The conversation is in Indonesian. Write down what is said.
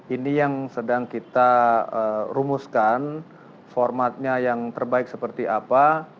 ini yang sedang kita rumuskan formatnya yang terbaik seperti apa